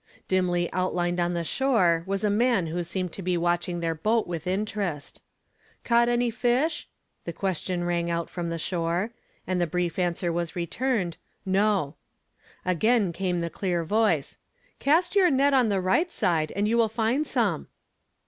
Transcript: Dimly outlined on the shore was a man who seemed to be watching their boat with interest. "Caught any fish?" The question rang out from the shore ; and the brief answer was !' nrned, " No." Again came the clear voice, " Cast your net on the right side and you will find some."